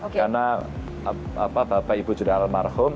karena bapak ibu sudah almarhum